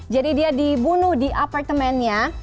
jadi dia dibunuh di apartemennya